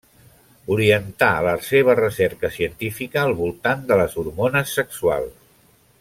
Orientà la seva recerca científica al voltant de les hormones sexuals.